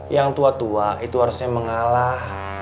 yang tua tua itu harusnya mengalah